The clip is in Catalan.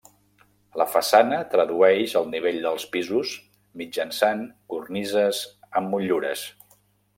La façana tradueix el nivell dels pisos mitjançant cornises amb motllures.